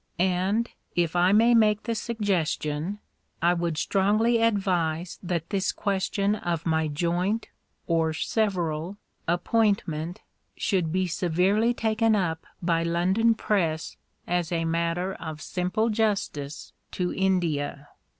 And, if I may make the suggestion, I would strongly advise that this question of my joint (or several) appointment should be severely taken up by London Press as matter of simple justice to India.